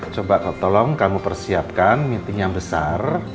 coba tolong kamu persiapkan meeting yang besar